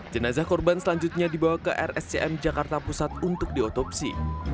jenazah korban selanjutnya dibawa ke rscm jakarta pusat untuk diotopsi